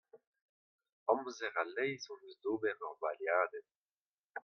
Amzer a-leizh hon eus d'ober ur valeadenn.